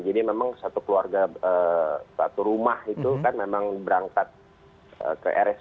jadi memang satu keluarga satu rumah itu kan memang berangkat ke rs